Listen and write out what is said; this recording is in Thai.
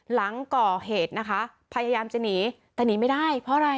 หลังก่อเหตุนะคะพยายามจะหนีแต่หนีไม่ได้เพราะอะไร